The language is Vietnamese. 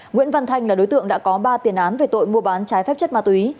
nguyễn văn thanh là đối tượng đã có ba tiền án về tội mua bán trái phép chất ma túy